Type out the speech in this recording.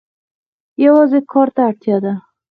یوازې کار ته اړتیا ده.